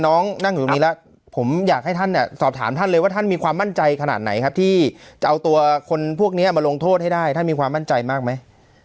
นั่งอยู่ตรงนี้แล้วผมอยากให้ท่านเนี่ยสอบถามท่านเลยว่าท่านมีความมั่นใจขนาดไหนครับที่จะเอาตัวคนพวกนี้มาลงโทษให้ได้ท่านมีความมั่นใจมากไหม